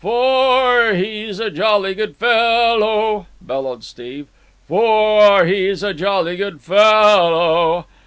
"Fo or he's a jolly good fellow," bellowed Steve. "For he's a jolly good fellow.